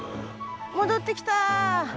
戻ってきた。